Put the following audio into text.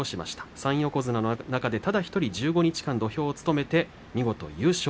３横綱の中で、ただ１人１５日間を務めて見事優勝。